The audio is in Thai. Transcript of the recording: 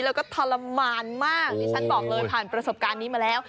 แล้วก็ทรมานมากดิฉันบอกเลยผ่านประสบการณ์นี้มาแล้ว